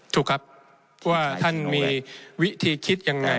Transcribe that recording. ถูกครับว่าท่านมีวิธีคิดยังไง